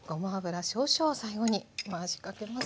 最後に回しかけます。